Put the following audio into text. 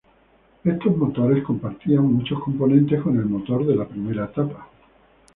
Estos motores compartían muchos componentes con el motor de la primera etapa.